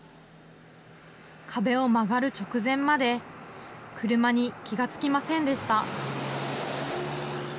壁を曲がる直前まで車に気が付きませんでした。